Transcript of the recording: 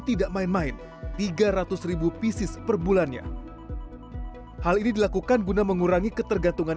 tidak main main tiga ratus pieces perbulannya hal ini dilakukan guna mengurangi ketergantungan